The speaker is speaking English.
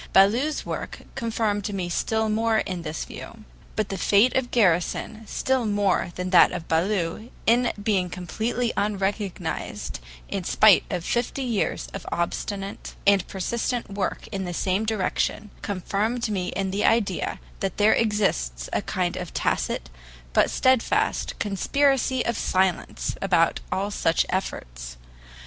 Ballou's work confirmed me still more in this view. But the fate of Garrison, still more that of Ballou, in being completely unrecognized in spite of fifty years of obstinate and persistent work in the same direction, confirmed me in the idea that there exists a kind of tacit but steadfast conspiracy of silence about all such efforts.